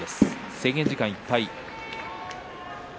制限時間いっぱいです。